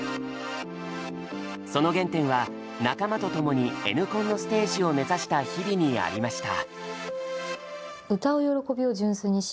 その原点は仲間とともにＮコンのステージを目指した日々にありました。